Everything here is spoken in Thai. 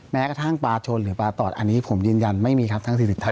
แม้กระทั่งปลาชนหรือปลาตอดอันนี้ผมยืนยันไม่มีครับทั้ง๔๐ท่าน